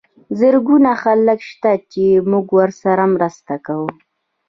زرګونه خلک شته چې موږ ورسره مرسته کوو.